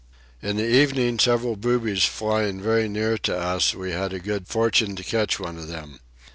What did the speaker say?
In the evening several boobies flying very near to us we had the good fortune to catch one of them.